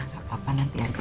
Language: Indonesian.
gak apa apa nanti aja